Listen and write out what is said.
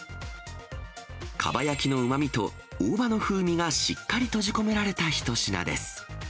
かば焼きのうまみと大葉の風味がしっかり閉じ込められた一品です。